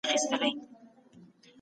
ليکوالان بايد له خپلي ټولني باخبره وي.